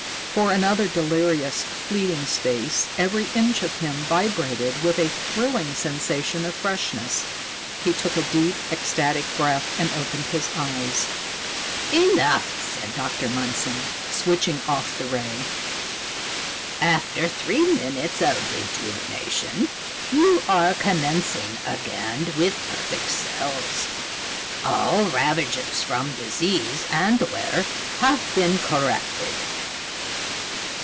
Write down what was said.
For another delirious, fleeting space, every inch of him vibrated with a thrilling sensation of freshness. He took a deep, ecstatic breath and opened his eyes. "Enough," said Dr. Mundson, switching off the Ray. "After three minutes of rejuvenation, you are commencing again with perfect cells. All ravages from disease and wear have been corrected."